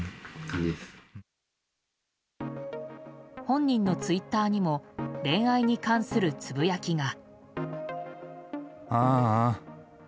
本人のツイッターにも恋愛に関するつぶやきが。